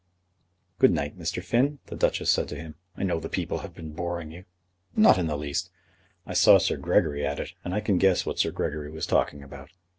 "Good night, Mr. Finn," the Duchess said to him, "I know the people have been boring you." "Not in the least." "I saw Sir Gregory at it, and I can guess what Sir Gregory was talking about."